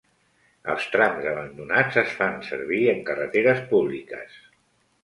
Els trams abandonats es fa servir en carreteres públiques.